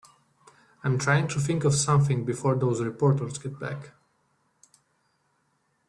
I'm trying to think of something before those reporters get back.